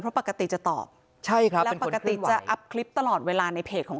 เพราะปกติจะตอบใช่ครับแล้วปกติจะอัพคลิปตลอดเวลาในเพจของ